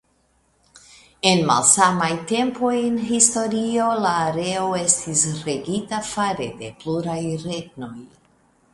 En malsamaj tempoj en historio la areo estis regita fare de pluraj regnoj.